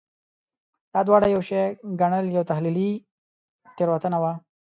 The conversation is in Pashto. دا دواړه یو شی ګڼل یوه تحلیلي تېروتنه وه.